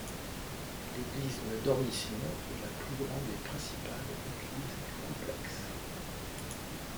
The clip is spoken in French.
L'église de la dormition est la plus grande et principale église du complexe.